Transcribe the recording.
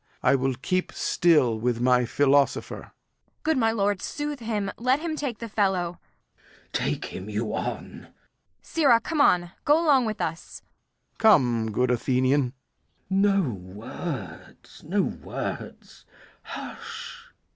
I will keep still with my philosopher. Kent. Good my lord, soothe him; let him take the fellow. Glou. Take him you on. Kent. Sirrah, come on; go along with us. Lear. Come, good Athenian. Glou. No words, no words! hush.